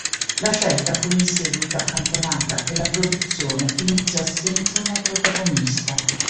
La scelta fu in seguito accantonata, e la produzione iniziò senza una protagonista.